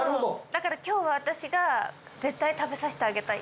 だから今日は私が絶対食べさせてあげたい。